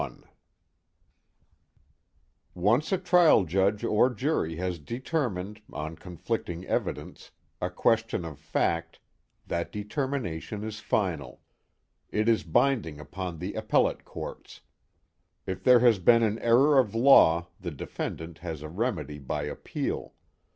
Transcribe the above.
_ 3 Once a trial judge or jury has determined, on conflicting evidence, a question of fact, that determination is final. It is binding upon the appellate courts. If there has been an error of law the defendant has a remedy by appeal.